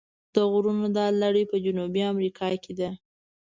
د غرونو دا لړۍ په جنوبي امریکا کې ده.